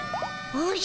おじゃ！